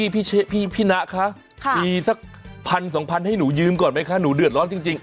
พี่นะคะมีสักพันสองพันให้หนูยืมก่อนไหมคะหนูเดือดร้อนจริง